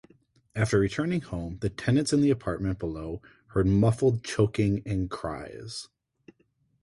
After returning home, the tenants in the apartment below heard muffled choking and cries.